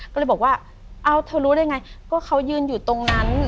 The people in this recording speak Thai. ก็เลยบอกว่าเอาเธอรู้ได้ไงก็เขายืนอยู่ตรงนั้น